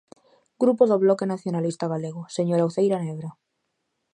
Grupo do Bloque Nacionalista Galego, señora Uceira Nebra.